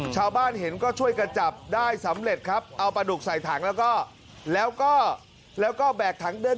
ชาวบ้านเห็นก็ช่วยกันจับได้สำเร็จครับเอาปลาดุกใส่ถังแล้วก็แล้วก็แบกถังเดิน